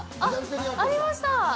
ありました。